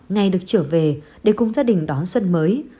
ngày được trở về để cùng gia đình đón xuân mới